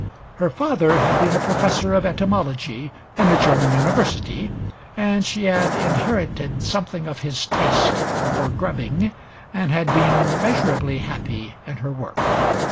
Her father had been a professor of etymology in a German university and she had inherited something of his taste for grubbing and had been measurably happy in her work.